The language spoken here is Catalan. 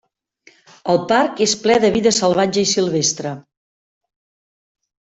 El parc és ple de vida salvatge i silvestre.